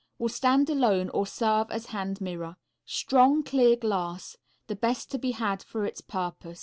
Will stand alone or serve as hand mirror. Strong, clear glass. The best to be had for its purpose.